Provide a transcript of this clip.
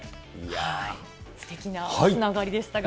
すてきなつながりでしたが。